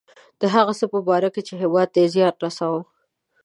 د هغه څه په باره کې چې هیواد ته یې زیان رساوه.